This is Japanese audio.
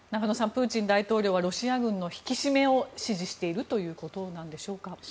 プーチン大統領はロシア軍の引き締めを指示しているということでしょうか。